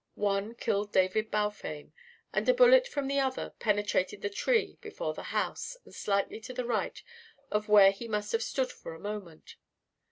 One killed David Balfame, and a bullet from the other penetrated the tree before the house and slightly to the right of where he must have stood for a moment.